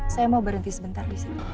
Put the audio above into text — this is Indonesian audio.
saya mau berhenti sebentar di sini